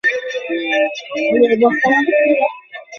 ওদের টাকা দিচ্ছো কেন, টাকা তো আমার।